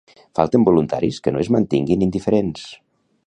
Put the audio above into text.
Falten voluntaris que no es mantinguin indiferents.